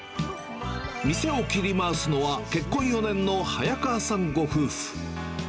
店を切り回すのは、結婚４年の早川さんご夫婦。